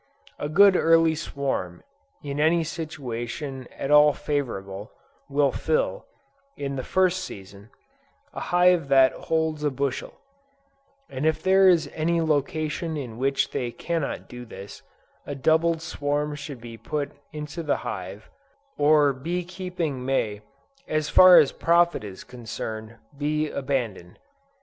A good early swarm in any situation at all favorable, will fill, the first season, a hive that holds a bushel: and if there is any location in which they cannot do this, a doubled swarm should be put into the hive, or bee keeping may, as far as profit is concerned, be abandoned.